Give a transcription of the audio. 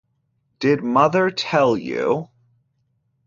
Did mother tell you?